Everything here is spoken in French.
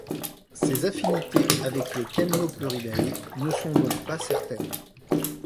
Ses affinités avec les Temnopleuridae ne sont donc pas certaines.